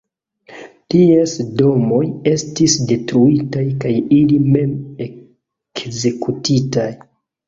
Ties domoj estis detruitaj kaj ili mem ekzekutitaj.